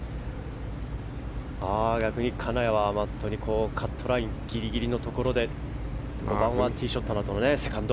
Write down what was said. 逆に金谷はカットラインギリギリのところで５番のティーショットのセカンド。